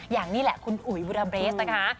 อย่างนี้แหละคุณอุ๋ยบุราเบสนะคะ